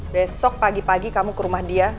besok pagi pagi kamu ke rumah dia